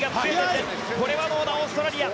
これはどうかオーストラリア。